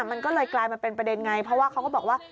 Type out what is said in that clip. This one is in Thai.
มันก็เลยกลายมาเป็นประเด็นไงเพราะว่าเขาก็บอกว่า